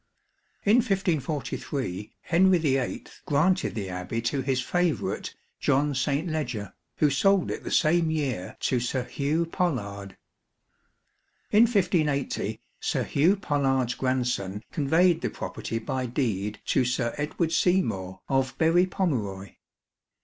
In 1543, Henry VIII granted the Abbey to his favourite John St. Ledger, who sold it the same year to Sir Hugh Pollard. In 1580, Sir Hugh Pollard's grandson conveyed the property by deed to Sir Edward Seymour, of Berry Pomeroy.